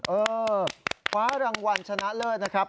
เออคว้ารางวัลชนะเลิศนะครับ